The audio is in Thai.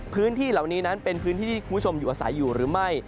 พื้นที่เหล่านี้นั้นเป็นพื้นที่ที่คุณผู้ชมอยู่อาศัยอยู่หรือไม่